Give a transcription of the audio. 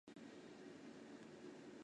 技术和职业教育应普遍设立。